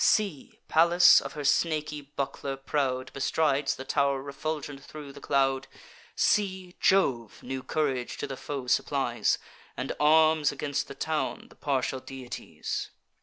See! Pallas, of her snaky buckler proud, Bestrides the tow'r, refulgent thro' the cloud: See! Jove new courage to the foe supplies, And arms against the town the partial deities.